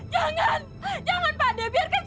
jangan jangan pak d biar kan saya saja yang jadi tumbal